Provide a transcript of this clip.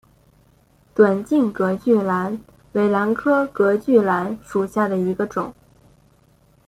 短茎隔距兰为兰科隔距兰属下的一个种。